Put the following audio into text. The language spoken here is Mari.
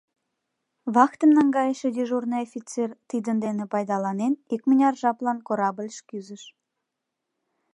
Вахтым наҥгайыше дежурный офицер, тидын дене пайдаланен, икмыняр жаплан корабльыш кӱзыш.